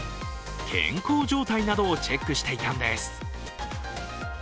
健康状態などをチェックしていたんです。